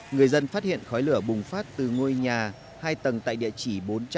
người dân phát hiện khói lửa bùng phát từ ngôi nhà hai tầng tại địa chỉ bốn trăm năm mươi ba